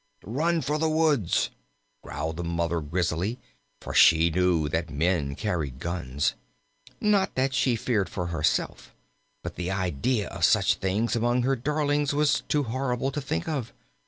"Run for the woods," growled the Mother Grizzly, for she knew that men carried guns. Not that she feared for herself; but the idea of such things among her darlings was too horrible to think of.